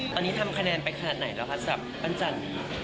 ตอนนี้ทำคะแนนไปขนาดไหนแล้วคะสำหรับปั้นจันนี้